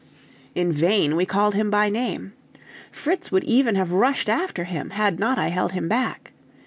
In vain we called him by name. Fritz would even have rushed after him, had not I held him back.